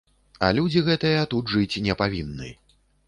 А людзі гэтыя тут жыць не павінны.